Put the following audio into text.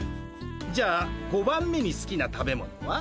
じゃあ５番目にすきな食べ物は？